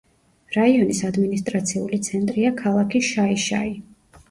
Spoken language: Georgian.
რაიონის ადმინისტრაციული ცენტრია ქალაქი შაი-შაი.